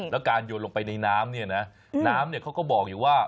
แล้วการโยนลงไปในน้ำเนี่ยนะน้ำเนี่ยเขาก็บอกอยู่ว่า